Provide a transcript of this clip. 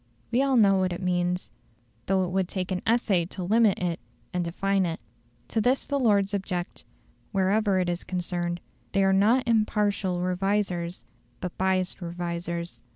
We all know what it means, though it would take an essay to limit it and define it. To this the Lords object; wherever it is concerned, they are not impartial revisers, but biassed revisers.